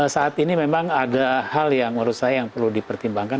saat ini memang ada hal yang menurut saya yang perlu dipertimbangkan